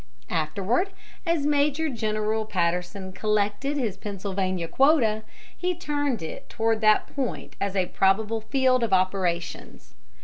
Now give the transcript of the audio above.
Afterward, as Major General Patterson collected his Pennsylvania quota, he turned it toward that point as a probable field of operations.